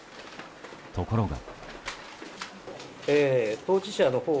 ところが。